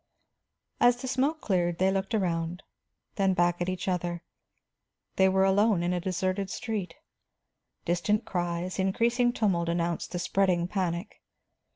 As the smoke cleared they looked around, then back at each other. They were alone in a deserted street. Distant cries, increasing tumult, announced the spreading panic.